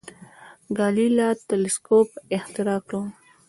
ګالیله تلسکوپ اختراع کړ.